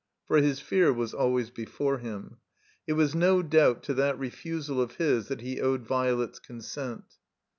For his fear was always before him. It was no doubt to that refusal of his that he owed Violet's consent.